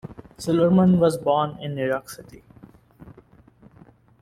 Silverman was born in New York City.